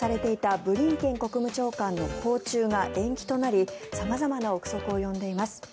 ブリンケン国務長官の訪中が延期となり様々な臆測を呼んでいます。